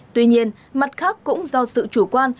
tuy nhiên mặt khác cũng do sự chủ quan